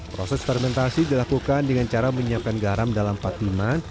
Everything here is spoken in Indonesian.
proses fermentasi dilakukan dengan cara menyiapkan garam dalam patiman